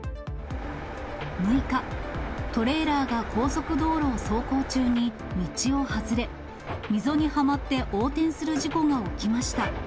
６日、トレーラーが高速道路を走行中に道を外れ、溝にはまって横転する事故が起きました。